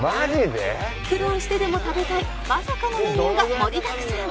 苦労してでも食べたいまさかのメニューが盛りだくさん